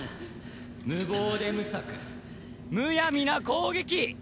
無謀で無策無闇な攻撃。